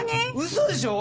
うそでしょ？